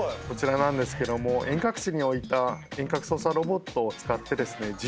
こちらなんですけども遠隔地に置いた遠隔操作ロボットを使ってですね